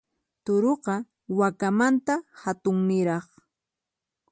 Turuqa, wakamanta hatunniraq.